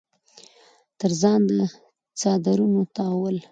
تر ځان د څادرنو تاوول